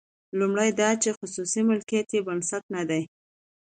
لومړی دا چې خصوصي مالکیت یې بنسټ نه دی.